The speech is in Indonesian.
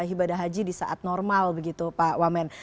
ibadah haji di saat normal begitu pak wamen